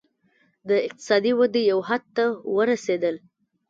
د اقتصادي ودې یو حد ته ورسېدل.